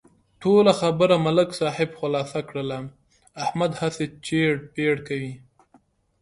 ټوله خبره ملک صاحب خلاصه کړله، احمد هسې چېړ پېړ کوي.